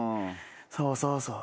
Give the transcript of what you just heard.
そうそうそう。